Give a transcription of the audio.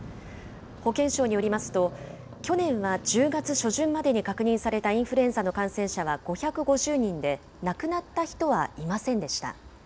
保健省によりますと、去年は１０月初旬までに確認されたインフルエンザの感染者は５５０人で、亡くなった人はいませんでした。